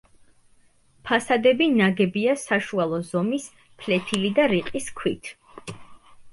ფასადები ნაგებია საშუალო ზომის, ფლეთილი და რიყის ქვით.